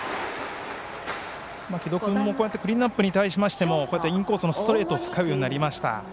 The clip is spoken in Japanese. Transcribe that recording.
城戸君もクリーンナップに対してインコースのストレートを使うようになりました。